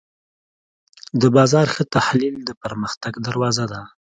د بازار ښه تحلیل د پرمختګ دروازه ده.